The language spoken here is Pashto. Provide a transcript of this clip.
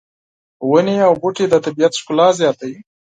ونې او بوټي د طبیعت ښکلا زیاتوي